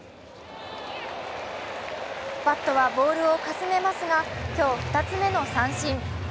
バットはボールをかすめますが、今日２つ目の三振。